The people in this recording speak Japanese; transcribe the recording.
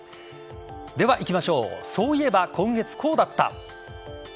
では、いきましょうそういえば今月こうだった。